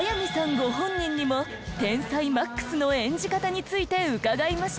ご本人にも天才マックスの演じ方について伺いました。